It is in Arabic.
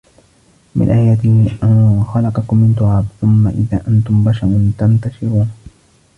وَمِن آياتِهِ أَن خَلَقَكُم مِن تُرابٍ ثُمَّ إِذا أَنتُم بَشَرٌ تَنتَشِرونَ